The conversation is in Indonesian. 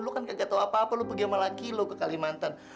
lu kan gak tau apa apa lu pergi sama laki lu ke kalimantan